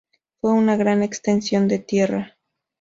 Fue una gran extensión de tierra.